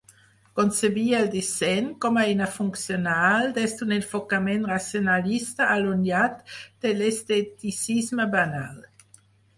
Concebia el disseny com a eina funcional, des d'un enfocament racionalista allunyat de l'esteticisme banal.